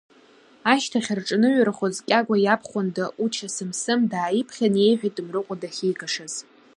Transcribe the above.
Ашьҭахь рҿаныҩархоз, Кьагәа иабхәында Уча Сымсым дааиԥхьан, иеиҳәеит Мрыҟәа дахьигашаз.